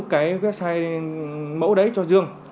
cái website mẫu đấy cho dương